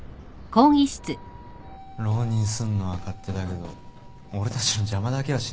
浪人すんのは勝手だけど俺たちの邪魔だけはしないでほしいよな。